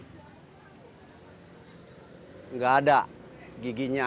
tidak ada giginya